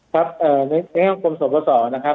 ครับในแง่ของควบหมายของสบศนะครับ